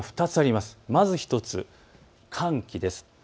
まず１つ、寒気です。